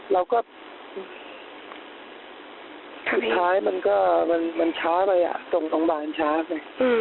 เราก็ที่สุดท้ายมันก็มันมันช้าไปอ่ะตรงโรงพยาบาลช้าไปอืม